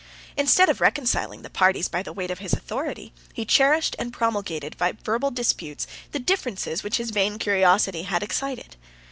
Instead of reconciling the parties by the weight of his authority, he cherished and promulgated, by verbal disputes, the differences which his vain curiosity had excited.